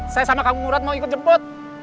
saya sama kang murad mau ikut jemput